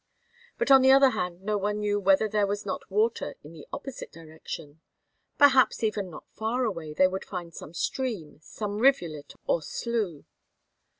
But on the other hand no one knew whether there was not water in the opposite direction. Perhaps even not far away they would find some stream, some rivulet or slough.